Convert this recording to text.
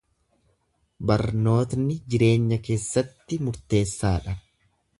Barnootni jireenya keessatti murteessa dha.